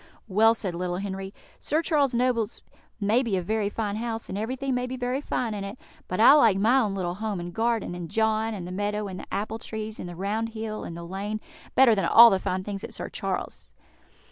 "Well," said little Henry, "Sir Charles Noble's may be a very fine house, and everything may be very fine in it, but I like my own little home and garden, and John, and the meadow, and the apple trees, and the round hill, and the lane, better than all the fine things at Sir Charles's."